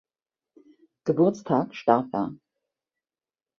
Geburtstag starb er.